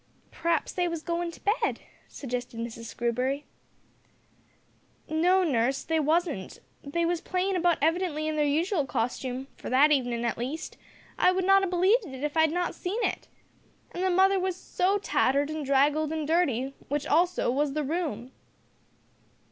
"P'raps they was goin' to bed," suggested Mrs Screwbury. "No, nurse, they wasn't; they was playing about evidently in their usual costume for that evenin' at least. I would not have believed it if I had not seen it. And the mother was so tattered and draggled and dirty which, also, was the room."